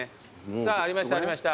さあありましたありました。